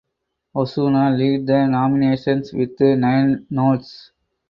Ozuna lead the nominations with nine nods.